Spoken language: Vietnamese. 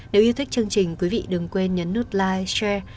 nếu yêu thích chương trình quý vị đừng quên nhấn nút like share